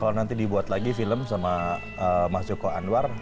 kalau nanti dibuat lagi film sama mas joko anwar